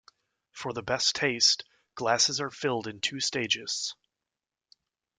For the best taste, glasses are filled in two stages.